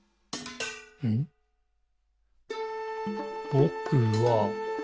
「ぼくは、」